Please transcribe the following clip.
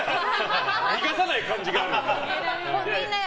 逃がさない感じがあるね。